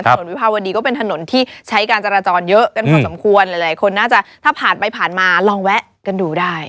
วิภาวดีก็เป็นถนนที่ใช้การจราจรเยอะกันพอสมควรหลายคนน่าจะถ้าผ่านไปผ่านมาลองแวะกันดูได้